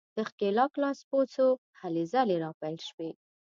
د ښکېلاک لاسپوڅو هلې ځلې راپیل شوې.